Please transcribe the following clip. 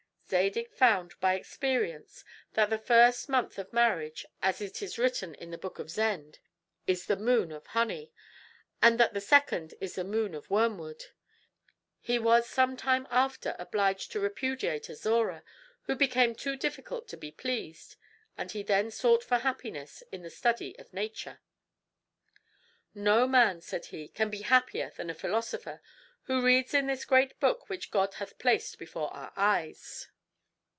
Zadig found by experience that the first month of marriage, as it is written in the book of Zend, is the moon of honey, and that the second is the moon of wormwood. He was some time after obliged to repudiate Azora, who became too difficult to be pleased; and he then sought for happiness in the study of nature. "No man," said he, "can be happier than a philosopher who reads in this great book which God hath placed before our eyes.